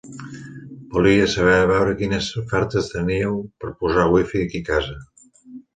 Volia saber a veure quines ofertes teníeu per posar wifi aquí a casa.